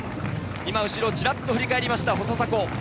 後ろをチラッと振り返りました細迫。